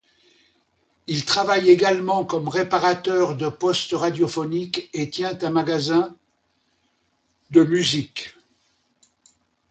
Il travaille également comme réparateur de postes radiophoniques et tient un magasin de musique.